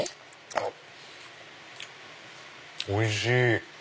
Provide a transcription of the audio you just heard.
あっおいしい！